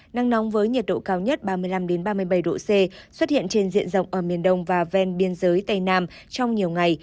năng nóng với nhiệt độ cao nhất ba mươi năm ba mươi bảy độ c xuất hiện trên diện rộng ở miền đông và ven biên giới tây nam trong nhiều ngày